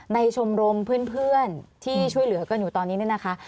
ชมรมเพื่อนที่ช่วยเหลือกันอยู่ตอนนี้เนี่ยนะคะ